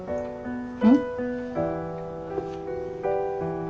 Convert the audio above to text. うん？